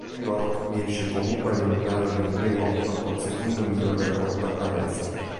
New York riesce comunque ad entrare nei play-off col secondo miglior record ad est.